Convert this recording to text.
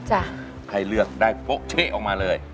ให้เลือกได้โป๊ะเช๊ะออกมาเลย